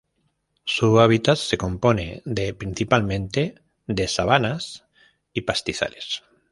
Su hábitat se compone de principalmente de sabanas y pastizales.